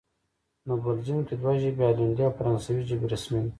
نو بلجیم کې دوه ژبې، هالندي او فرانسوي ژبې رسمي دي